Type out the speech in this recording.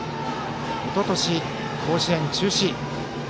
おととし、甲子園中止。